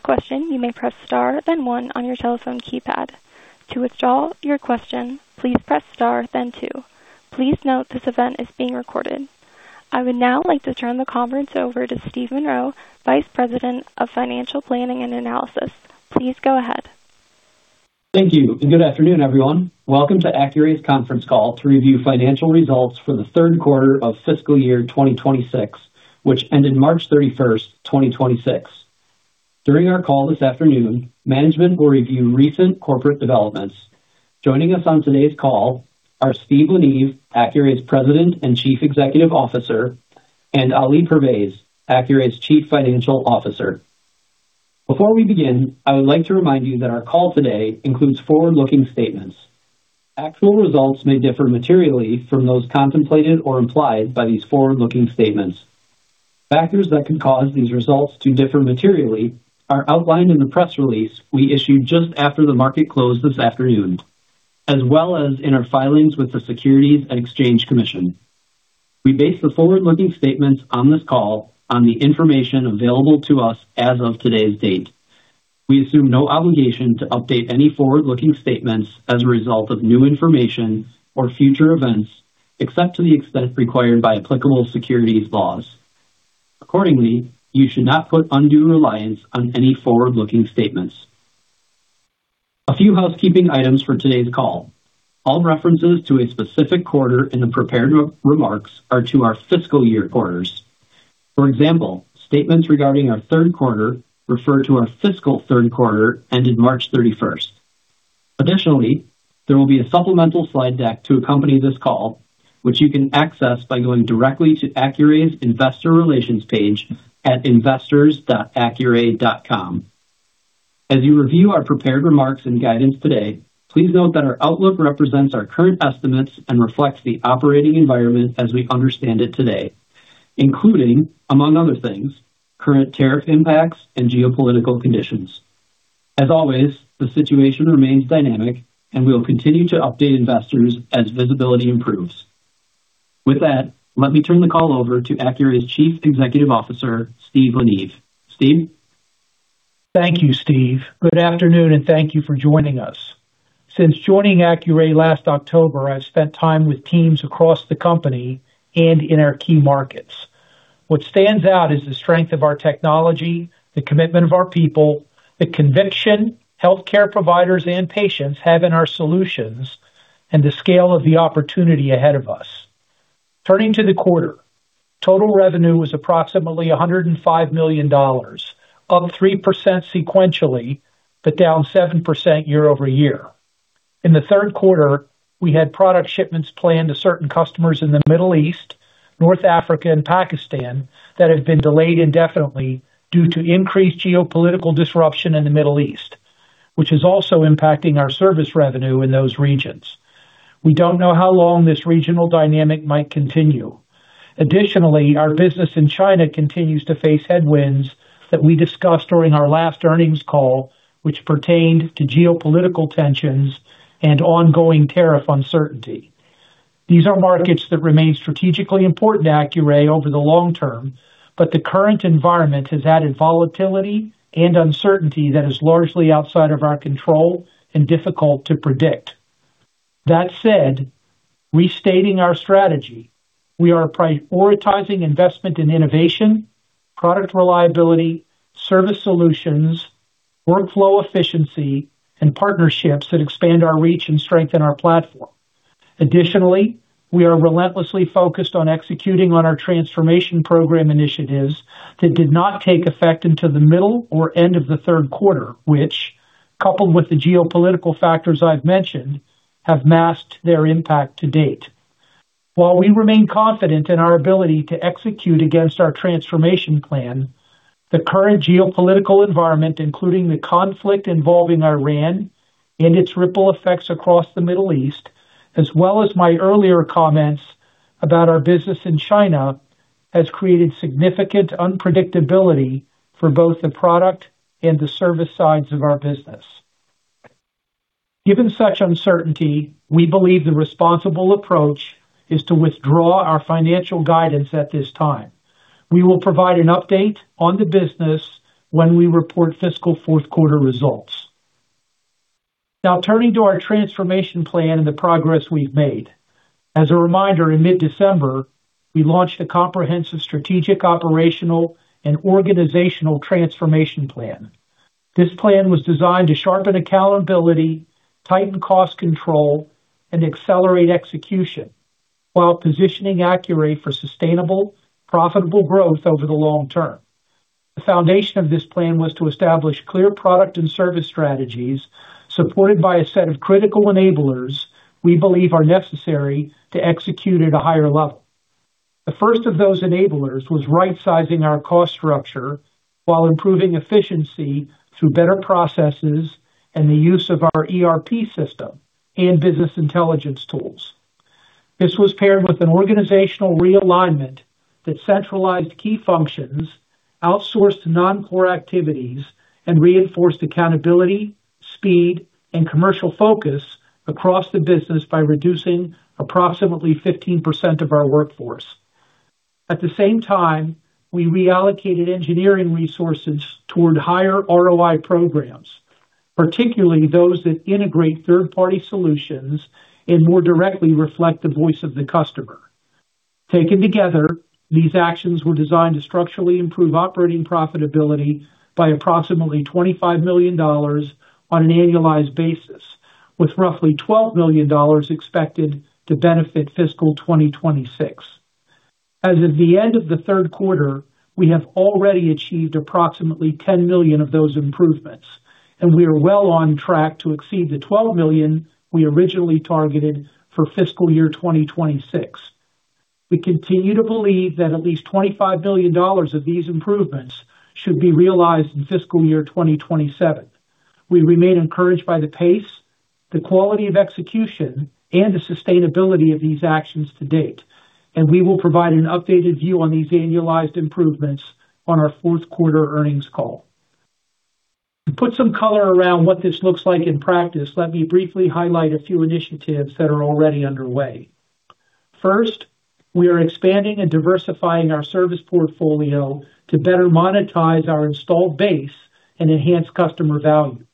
I would now like to turn the conference over to Steve Monroe, Vice President of Financial Planning and Analysis. Please go ahead. Thank you, and good afternoon, everyone. Welcome to Accuray's conference call to review financial results for the third quarter of fiscal year 2026, which ended March 31st, 2026. During our call this afternoon, management will review recent corporate developments. Joining us on today's call are Steve La Neve, Accuray's President and Chief Executive Officer, and Ali Pervaiz, Accuray's Chief Financial Officer. Before we begin, I would like to remind you that our call today includes forward-looking statements. Actual results may differ materially from those contemplated or implied by these forward-looking statements. Factors that can cause these results to differ materially are outlined in the press release we issued just after the market closed this afternoon, as well as in our filings with the Securities and Exchange Commission. We base the forward-looking statements on this call on the information available to us as of today's date. We assume no obligation to update any forward-looking statements as a result of new information or future events, except to the extent required by applicable securities laws. Accordingly, you should not put undue reliance on any forward-looking statements. A few housekeeping items for today's call. All references to a specific quarter in the prepared remarks are to our fiscal year quarters. For example, statements regarding our third quarter refer to our fiscal third quarter ended March 31st. Additionally, there will be a supplemental slide deck to accompany this call, which you can access by going directly to Accuray's investor relations page at investors.accuray.com. As you review our prepared remarks and guidance today, please note that our outlook represents our current estimates and reflects the operating environment as we understand it today, including, among other things, current tariff impacts and geopolitical conditions. As always, the situation remains dynamic. We will continue to update investors as visibility improves. With that, let me turn the call over to Accuray's Chief Executive Officer, Steve La Neve. Steve? Thank you, Steve. Good afternoon, thank you for joining us. Since joining Accuray last October, I've spent time with teams across the company and in our key markets. What stands out is the strength of our technology, the commitment of our people, the conviction healthcare providers and patients have in our solutions, and the scale of the opportunity ahead of us. Turning to the quarter. Total revenue was approximately $105 million, up 3% sequentially, down 7% year-over-year. In the third quarter, we had product shipments planned to certain customers in the Middle East, North Africa, and Pakistan that have been delayed indefinitely due to increased geopolitical disruption in the Middle East, which is also impacting our service revenue in those regions. We don't know how long this regional dynamic might continue. Additionally, our business in China continues to face headwinds that we discussed during our last earnings call, which pertained to geopolitical tensions and ongoing tariff uncertainty. These are markets that remain strategically important to Accuray over the long term, but the current environment has added volatility and uncertainty that is largely outside of our control and difficult to predict. That said, restating our strategy, we are prioritizing investment in innovation, product reliability, service solutions, workflow efficiency, and partnerships that expand our reach and strengthen our platform. Additionally, we are relentlessly focused on executing on our transformation program initiatives that did not take effect until the middle or end of the third quarter, which, coupled with the geopolitical factors I've mentioned, have masked their impact to date. While we remain confident in our ability to execute against our Transformation Plan, the current geopolitical environment, including the conflict involving Iran and its ripple effects across the Middle East, as well as my earlier comments about our business in China, has created significant unpredictability for both the product and the service sides of our business. Given such uncertainty, we believe the responsible approach is to withdraw our financial guidance at this time. We will provide an update on the business when we report fiscal fourth quarter results. Turning to our Transformation Plan and the progress we've made. As a reminder, in mid-December, we launched a comprehensive strategic, operational, and organizational Transformation Plan. This plan was designed to sharpen accountability, tighten cost control, and accelerate execution while positioning Accuray for sustainable, profitable growth over the long term. The foundation of this plan was to establish clear product and service strategies supported by a set of critical enablers we believe are necessary to execute at a higher level. The first of those enablers was right-sizing our cost structure while improving efficiency through better processes and the use of our ERP system and business intelligence tools. This was paired with an organizational realignment that centralized key functions, outsourced non-core activities, and reinforced accountability, speed, and commercial focus across the business by reducing approximately 15% of our workforce. At the same time, we reallocated engineering resources toward higher ROI programs, particularly those that integrate third-party solutions and more directly reflect the voice of the customer. Taken together, these actions were designed to structurally improve operating profitability by approximately $25 million on an annualized basis, with roughly $12 million expected to benefit fiscal 2026. As of the end of the third quarter, we have already achieved approximately $10 million of those improvements. We are well on track to exceed the $12 million we originally targeted for fiscal year 2026. We continue to believe that at least $25 million of these improvements should be realized in fiscal year 2027. We remain encouraged by the pace, the quality of execution, and the sustainability of these actions to date. We will provide an updated view on these annualized improvements on our fourth quarter earnings call. To put some color around what this looks like in practice, let me briefly highlight a few initiatives that are already underway. First, we are expanding and diversifying our service portfolio to better monetize our installed base and enhance customer value.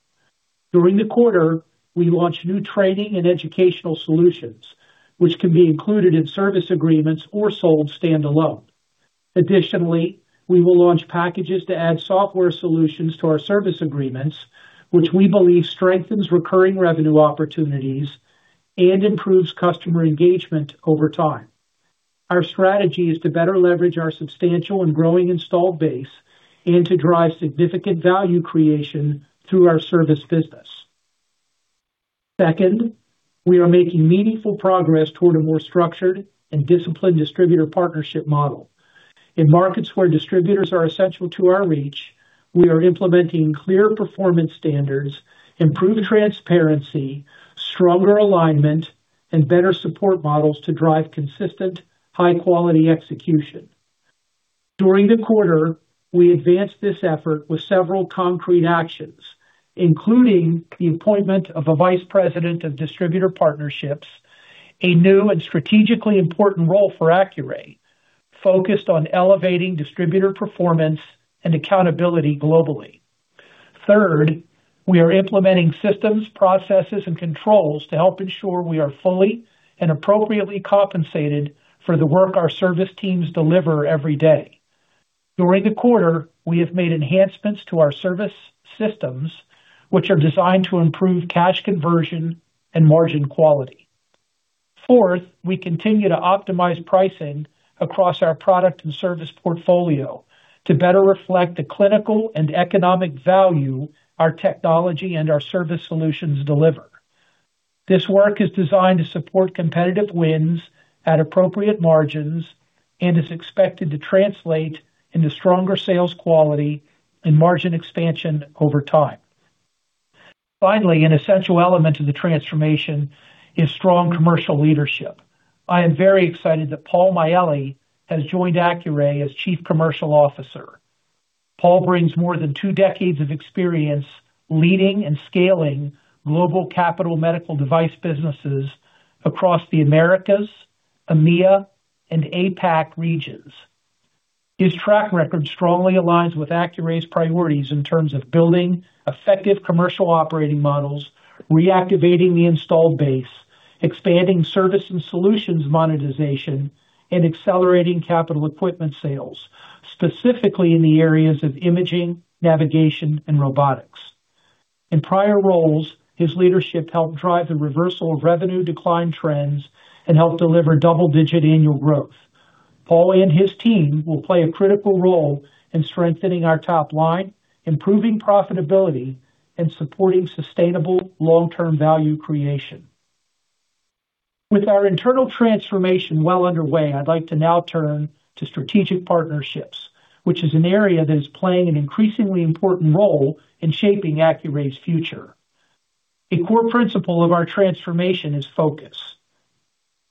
During the quarter, we launched new training and educational solutions, which can be included in service agreements or sold standalone. We will launch packages to add software solutions to our service agreements, which we believe strengthens recurring revenue opportunities and improves customer engagement over time. Our strategy is to better leverage our substantial and growing installed base and to drive significant value creation through our service business. Second, we are making meaningful progress toward a more structured and disciplined distributor partnership model. In markets where distributors are essential to our reach, we are implementing clear performance standards, improved transparency, stronger alignment, and better support models to drive consistent, high-quality execution. During the quarter, we advanced this effort with several concrete actions, including the appointment of a vice president of distributor partnerships, a new and strategically important role for Accuray, focused on elevating distributor performance and accountability globally. Third, we are implementing systems, processes, and controls to help ensure we are fully and appropriately compensated for the work our service teams deliver every day. During the quarter, we have made enhancements to our service systems, which are designed to improve cash conversion and margin quality. Fourth, we continue to optimize pricing across our product and service portfolio to better reflect the clinical and economic value our technology and our service solutions deliver. This work is designed to support competitive wins at appropriate margins and is expected to translate into stronger sales quality and margin expansion over time. Finally, an essential element of the transformation is strong commercial leadership. I am very excited that Paul Miele has joined Accuray as Chief Commercial Officer. Paul brings more than two decades of experience leading and scaling global capital medical device businesses across the Americas, EMEA, and APAC regions. His track record strongly aligns with Accuray's priorities in terms of building effective commercial operating models, reactivating the installed base, expanding service and solutions monetization, and accelerating capital equipment sales, specifically in the areas of imaging, navigation, and robotics. In prior roles, his leadership helped drive the reversal of revenue decline trends and helped deliver double-digit annual growth. Paul and his team will play a critical role in strengthening our top line, improving profitability, and supporting sustainable long-term value creation. With our internal transformation well underway, I'd like to now turn to strategic partnerships, which is an area that is playing an increasingly important role in shaping Accuray's future. A core principle of our transformation is focus.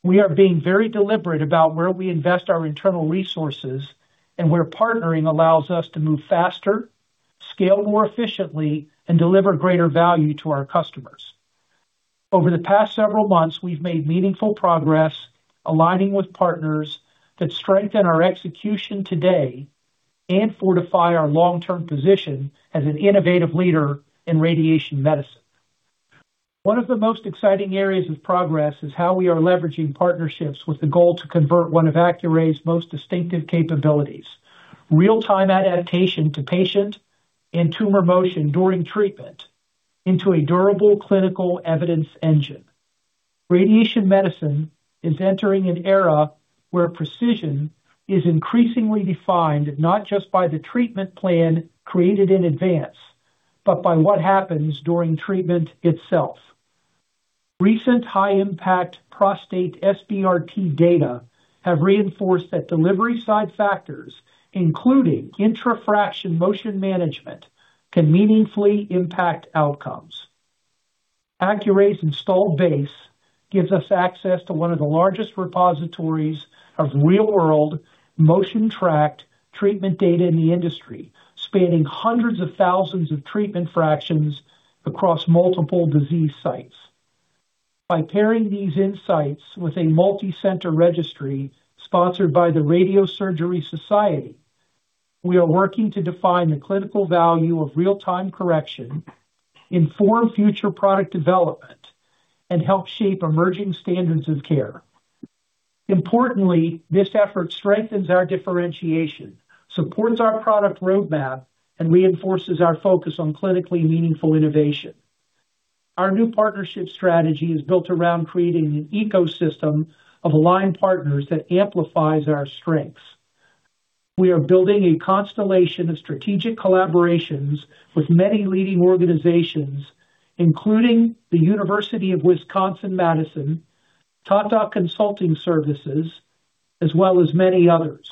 We are being very deliberate about where we invest our internal resources and where partnering allows us to move faster, scale more efficiently, and deliver greater value to our customers. Over the past several months, we've made meaningful progress aligning with partners that strengthen our execution today and fortify our long-term position as an innovative leader in radiation medicine. One of the most exciting areas of progress is how we are leveraging partnerships with the goal to convert one of Accuray's most distinctive capabilities, real-time adaptation to patient and tumor motion during treatment into a durable clinical evidence engine. Radiation medicine is entering an era where precision is increasingly defined not just by the treatment plan created in advance, but by what happens during treatment itself. Recent high-impact prostate SBRT data have reinforced that delivery side factors, including intrafraction motion management can meaningfully impact outcomes. Accuray's installed base gives us access to one of the largest repositories of real-world motion-tracked treatment data in the industry, spanning hundreds of thousands of treatment fractions across multiple disease sites. By pairing these insights with a multi-center registry sponsored by the Radiosurgery Society, we are working to define the clinical value of real-time correction, inform future product development, and help shape emerging standards of care. Importantly, this effort strengthens our differentiation, supports our product roadmap, and reinforces our focus on clinically meaningful innovation. Our new partnership strategy is built around creating an ecosystem of aligned partners that amplifies our strengths. We are building a constellation of strategic collaborations with many leading organizations, including the University of Wisconsin–Madison, Tata Consultancy Services, as well as many others.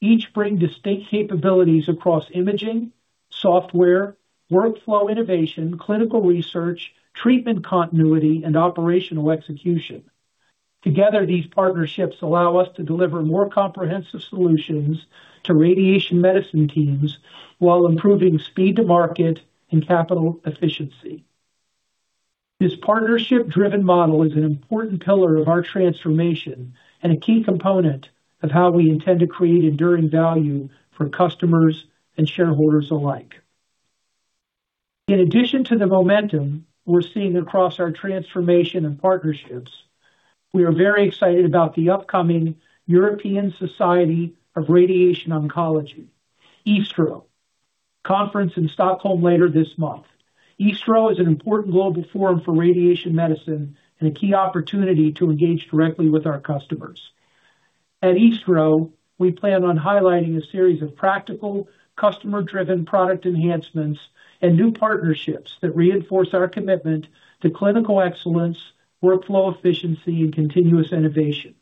Each bring distinct capabilities across imaging, software, workflow innovation, clinical research, treatment continuity, and operational execution. Together, these partnerships allow us to deliver more comprehensive solutions to radiation medicine teams while improving speed to market and capital efficiency. This partnership-driven model is an important pillar of our transformation and a key component of how we intend to create enduring value for customers and shareholders alike. In addition to the momentum we're seeing across our transformation and partnerships, we are very excited about the upcoming European Society for Radiotherapy and Oncology, ESTRO, conference in Stockholm later this month. ESTRO is an important global forum for radiation medicine and a key opportunity to engage directly with our customers. At ESTRO, we plan on highlighting a series of practical, customer-driven product enhancements and new partnerships that reinforce our commitment to clinical excellence, workflow efficiency, and continuous innovation.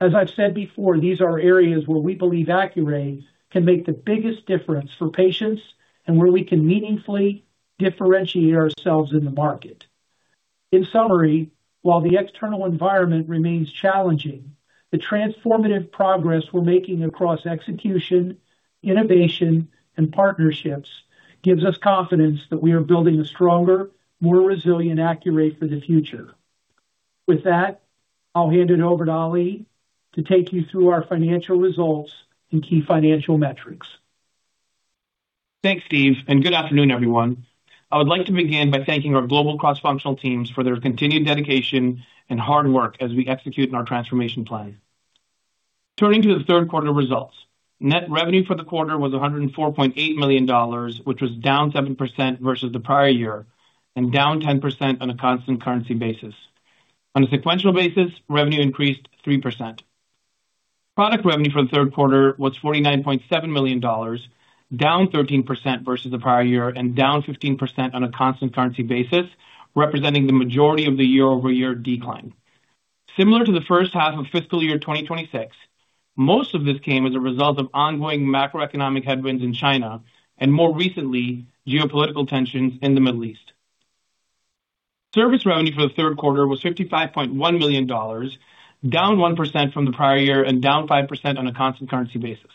As I've said before, these are areas where we believe Accuray can make the biggest difference for patients and where we can meaningfully differentiate ourselves in the market. In summary, while the external environment remains challenging, the transformative progress we're making across execution, innovation, and partnerships gives us confidence that we are building a stronger, more resilient Accuray for the future. With that, I'll hand it over to Ali to take you through our financial results and key financial metrics. Thanks, Steve, and good afternoon, everyone. I would like to begin by thanking our global cross-functional teams for their continued dedication and hard work as we execute on our transformation plan. Turning to the third quarter results. Net revenue for the quarter was $104.8 million, which was down 7% versus the prior year and down 10% on a constant currency basis. On a sequential basis, revenue increased 3%. Product revenue for the third quarter was $49.7 million, down 13% versus the prior year and down 15% on a constant currency basis, representing the majority of the year-over-year decline. Similar to the first half of fiscal year 2026, most of this came as a result of ongoing macroeconomic headwinds in China and, more recently, geopolitical tensions in the Middle East. Service revenue for the third quarter was $55.1 million, down 1% from the prior year and down 5% on a constant currency basis.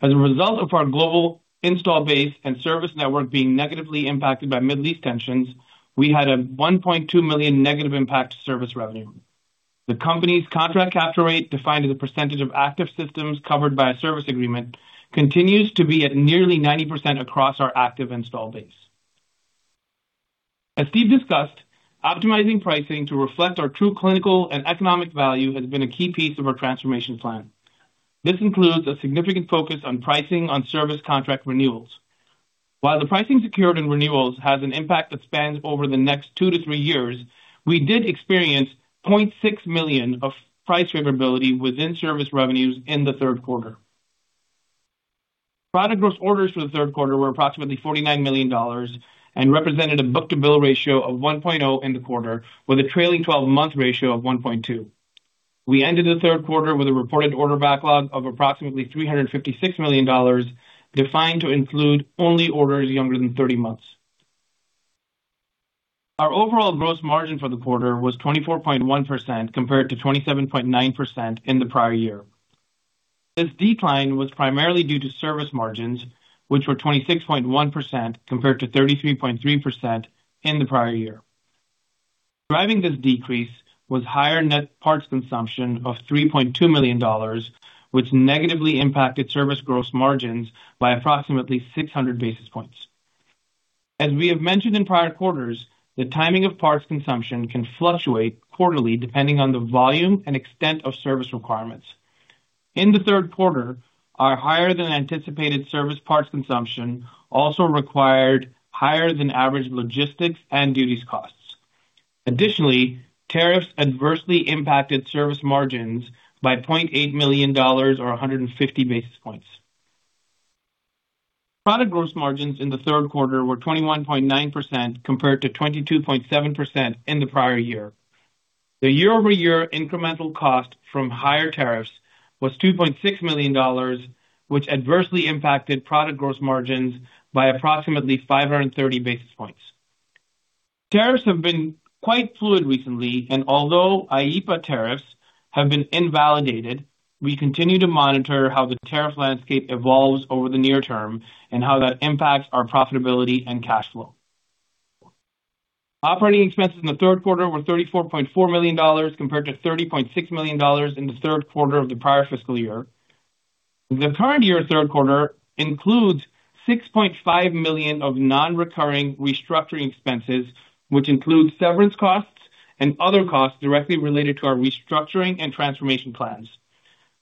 As a result of our global install base and service network being negatively impacted by Middle East tensions, we had a $1.2 million negative impact to service revenue. The company's contract capture rate, defined as a percentage of active systems covered by a service agreement, continues to be at nearly 90% across our active install base. As Steve discussed, optimizing pricing to reflect our true clinical and economic value has been a key piece of our transformation plan. This includes a significant focus on pricing on service contract renewals. While the pricing secured in renewals has an impact that spans over the next two to three years, we did experience $0.6 million of price favorability within service revenues in the third quarter. Product gross orders for the third quarter were approximately $49 million and represented a book-to-bill ratio of 1.0 in the quarter, with a trailing 12-month ratio of 1.2. We ended the third quarter with a reported order backlog of approximately $356 million, defined to include only orders younger than 30 months. Our overall gross margin for the quarter was 24.1% compared to 27.9% in the prior year. This decline was primarily due to service margins, which were 26.1% compared to 33.3% in the prior year. Driving this decrease was higher net parts consumption of $3.2 million, which negatively impacted service gross margins by approximately 600 basis points. As we have mentioned in prior quarters, the timing of parts consumption can fluctuate quarterly depending on the volume and extent of service requirements. In the third quarter, our higher than anticipated service parts consumption also required higher than average logistics and duties costs. Additionally, tariffs adversely impacted service margins by $0.8 million or 150 basis points. Product gross margins in the third quarter were 21.9% compared to 22.7% in the prior year. The year-over-year incremental cost from higher tariffs was $2.6 million, which adversely impacted product gross margins by approximately 530 basis points. Tariffs have been quite fluid recently, and although IEPA tariffs have been invalidated, we continue to monitor how the tariff landscape evolves over the near term and how that impacts our profitability and cash flow. Operating expenses in the third quarter were $34.4 million compared to $30.6 million in the third quarter of the prior fiscal year. The current year third quarter includes $6.5 million of non-recurring restructuring expenses, which include severance costs and other costs directly related to our restructuring and transformation plans.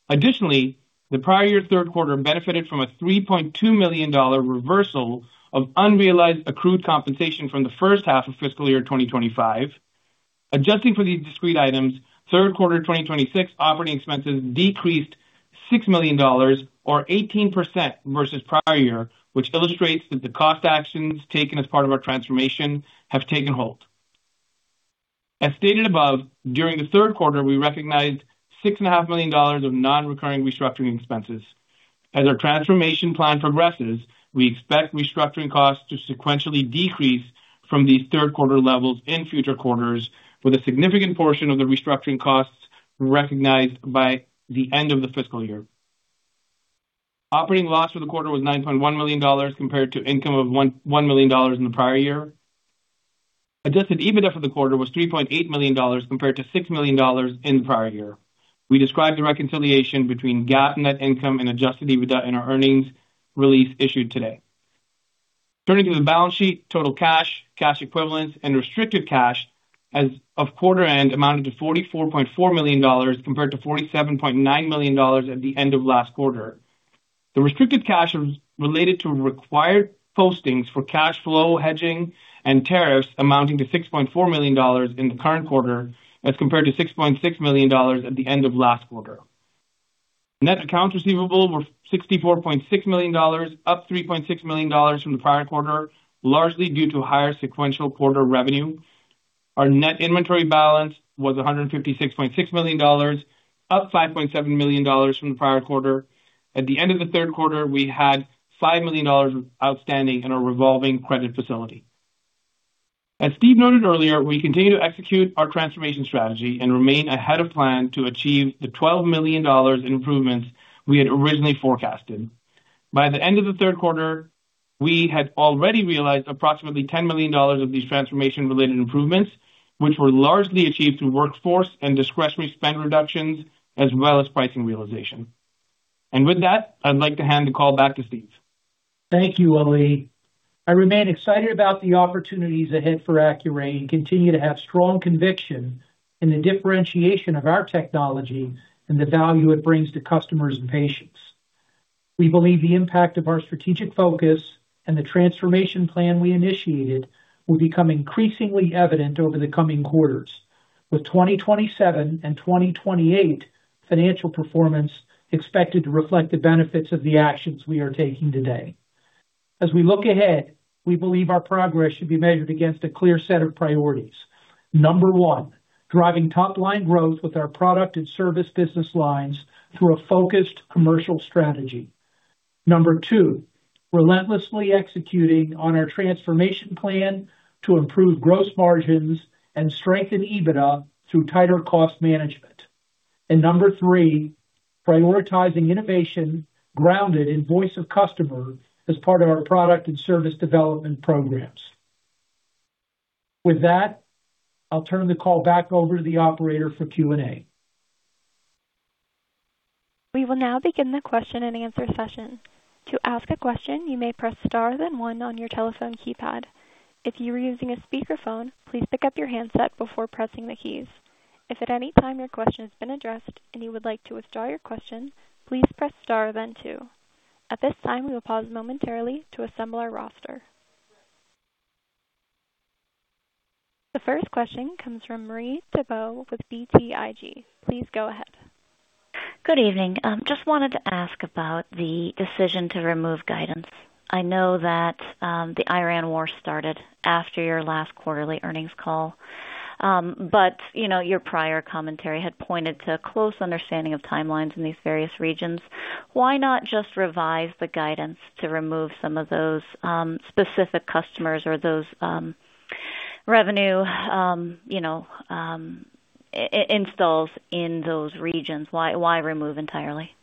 Additionally, the prior year third quarter benefited from a $3.2 million reversal of unrealized accrued compensation from the first half of FY 2025. Adjusting for these discrete items, third quarter 2026 operating expenses decreased $6 million or 18% versus prior year, which illustrates that the cost actions taken as part of our transformation have taken hold. As stated above, during the third quarter, we recognized six and a half million dollars of non-recurring restructuring expenses. As our transformation plan progresses, we expect restructuring costs to sequentially decrease from these third quarter levels in future quarters, with a significant portion of the restructuring costs recognized by the end of the fiscal year. Operating loss for the quarter was $9.1 million compared to income of $1.1 million in the prior year. Adjusted EBITDA for the quarter was $3.8 million compared to $6 million in the prior year. We describe the reconciliation between GAAP net income and Adjusted EBITDA in our earnings release issued today. Turning to the balance sheet, total cash equivalents, and restricted cash as of quarter end amounted to $44.4 million compared to $47.9 million at the end of last quarter. The restricted cash was related to required postings for cash flow hedging and tariffs amounting to $6.4 million in the current quarter as compared to $6.6 million at the end of last quarter. Net accounts receivable were $64.6 million, up $3.6 million from the prior quarter, largely due to higher sequential quarter revenue. Our net inventory balance was $156.6 million, up $5.7 million from the prior quarter. At the end of the third quarter, we had $5 million outstanding in our revolving credit facility. As Steve noted earlier, we continue to execute our transformation strategy and remain ahead of plan to achieve the $12 million in improvements we had originally forecasted. By the end of the third quarter, we had already realized approximately $10 million of these transformation-related improvements, which were largely achieved through workforce and discretionary spend reductions as well as pricing realization. With that, I'd like to hand the call back to Steve. Thank you, Ali. I remain excited about the opportunities ahead for Accuray and continue to have strong conviction in the differentiation of our technology and the value it brings to customers and patients. We believe the impact of our strategic focus and the transformation plan we initiated will become increasingly evident over the coming quarters, with 2027 and 2028 financial performance expected to reflect the benefits of the actions we are taking today. As we look ahead, we believe our progress should be measured against a clear set of priorities. Number one, driving top-line growth with our product and service business lines through a focused commercial strategy. Number two, relentlessly executing on our transformation plan to improve gross margins and strengthen EBITDA through tighter cost management. Number three, prioritizing innovation grounded in voice of customer as part of our product and service development programs. With that, I'll turn the call back over to the operator for Q&A. We will now begin the question-and-answer session. To ask a question, you may press star then one on your telephone keypad. If you are using a speakerphone, please pick up your handset before pressing the keys. If at any time your question has been addressed and you would like to withdraw your question, please press star then two. At this time, we will pause momentarily to assemble our roster. The first question comes from Marie Thibault with BTIG. Please go ahead. Good evening. Just wanted to ask about the decision to remove guidance. I know that the Iran war started after your last quarterly earnings call, but, you know, your prior commentary had pointed to a close understanding of timelines in these various regions. Why not just revise the guidance to remove some of those specific customers or those revenue, you know, installs in those regions? Why remove entirely?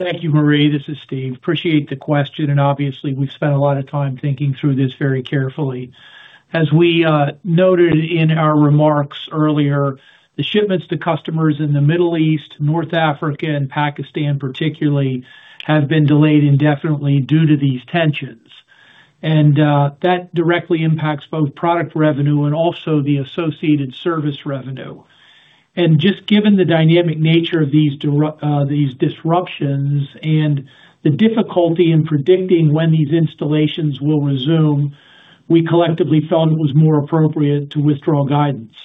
Thank you, Marie. This is Steve. Appreciate the question, and obviously, we've spent a lot of time thinking through this very carefully. As we noted in our remarks earlier, the shipments to customers in the Middle East, North Africa, and Pakistan particularly have been delayed indefinitely due to these tensions. That directly impacts both product revenue and also the associated service revenue. Just given the dynamic nature of these disruptions and the difficulty in predicting when these installations will resume, we collectively felt it was more appropriate to withdraw guidance.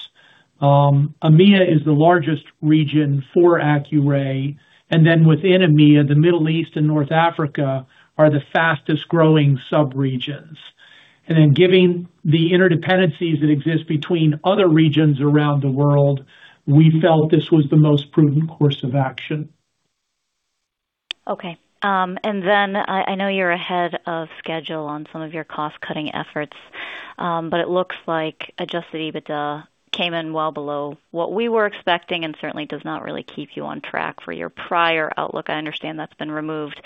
EMEA is the largest region for Accuray, within EMEA, the Middle East and North Africa are the fastest-growing sub-regions. Given the interdependencies that exist between other regions around the world, we felt this was the most prudent course of action. Okay. I know you're ahead of schedule on some of your cost-cutting efforts, it looks like Adjusted EBITDA came in well below what we were expecting and certainly does not really keep you on track for your prior outlook. I understand that's been removed.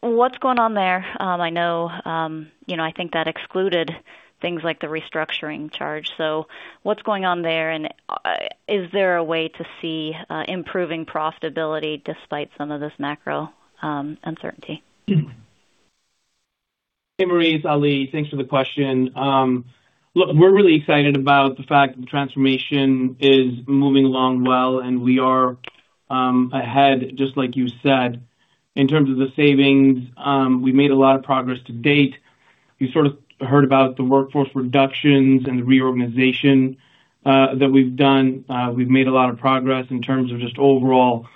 What's going on there? I know, you know, I think that excluded things like the restructuring charge. What's going on there, and is there a way to see improving profitability despite some of this macro uncertainty? Hey, Marie. It's Ali. Thanks for the question. Look, we're really excited about the fact that the transformation is moving along well, and we are ahead, just like you said. In terms of the savings, we've made a lot of progress to date. You sort of heard about the workforce reductions and the reorganization that we've done. We've made a lot of progress in terms of just overall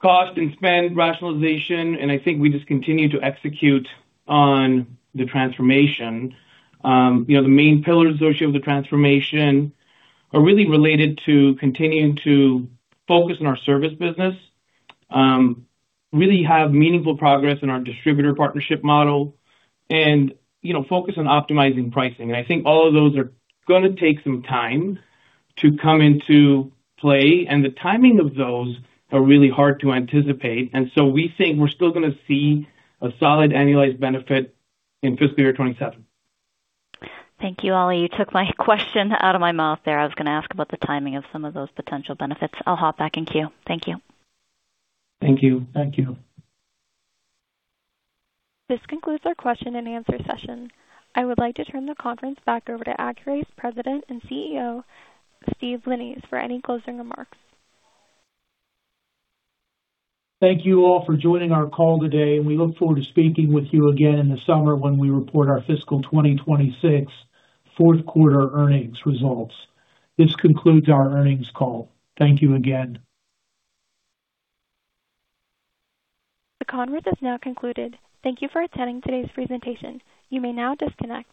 cost and spend rationalization, and I think we just continue to execute on the transformation. You know, the main pillars of the transformation are really related to continuing to focus on our service business, really have meaningful progress in our distributor partnership model and, you know, focus on optimizing pricing. I think all of those are gonna take some time to come into play, and the timing of those are really hard to anticipate. We think we're still gonna see a solid annualized benefit in fiscal year 2027. Thank you, Ali. You took my question out of my mouth there. I was gonna ask about the timing of some of those potential benefits. I'll hop back in queue. Thank you. Thank you. Thank you. This concludes our question and answer session. I would like to turn the conference back over to Accuray's President and Chief Executive Officer, Steve La Neve, for any closing remarks. Thank you all for joining our call today, and we look forward to speaking with you again in the summer when we report our fiscal 2026 fourth quarter earnings results. This concludes our earnings call. Thank you again. The conference has now concluded. Thank you for attending today's presentation. You may now disconnect.